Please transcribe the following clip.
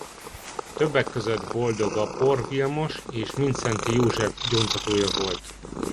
Többek között Boldog Apor Vilmos és Mindszenty József gyóntatója volt.